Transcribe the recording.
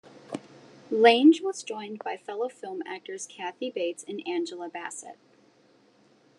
Lange was joined by fellow film actors Kathy Bates and Angela Bassett.